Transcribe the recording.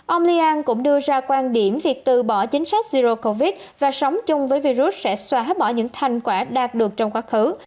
ông lian cũng đưa ra quan điểm việc từ bỏ chính sách zero covid và sống chung với virus sẽ xóa bỏ những thành quả đạt được trong quá khứ